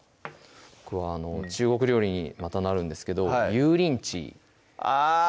僕は中国料理にまたなるんですけど油淋鶏あ